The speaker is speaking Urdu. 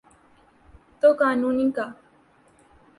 تو قانون کا۔